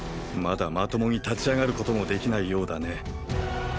まだまともに立ち上がることもできないようだね。